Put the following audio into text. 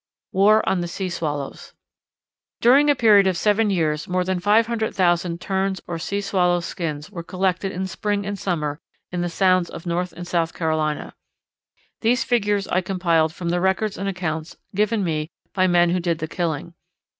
War on the Sea Swallows. During a period of seven years more than 500,000 Terns', or Sea Swallows', skins were collected in spring and summer in the sounds of North and South Carolina. These figures I compiled from the records and accounts given me by men who did the killing.